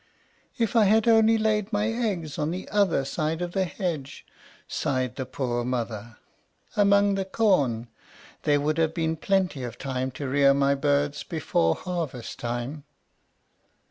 "If I had only laid my eggs on the other side of the hedge," sighed the poor mother, "among the corn, there would have been plenty of time to rear my birds before harvest time."